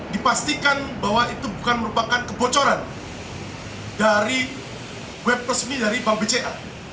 dipastikan bahwa itu bukan merupakan kebocoran dari web resmi dari bank bca